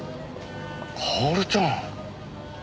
薫ちゃん。